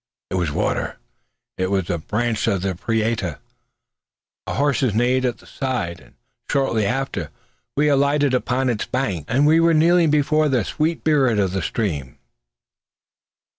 It was water! It was a branch of the Prieto. Our horses neighed at the sight; and, shortly after, we had alighted upon its banks, and were kneeling before the sweet spirit of the stream.